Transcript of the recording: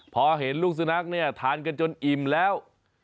พอเห็นลูกสูนักทานกันจนอิ่มแล้ว